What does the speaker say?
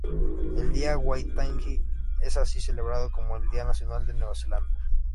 El Día Waitangi es así celebrado como el día nacional de Nueva Zelanda.